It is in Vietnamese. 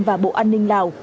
và bộ an ninh lào